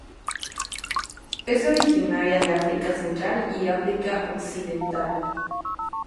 Es originaria de el África central y África occidental.